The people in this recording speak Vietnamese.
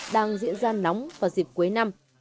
đang diễn ra nóng vào dịp cuối năm